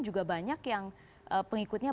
juga banyak yang pengikutnya